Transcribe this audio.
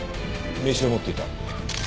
名刺を持っていた。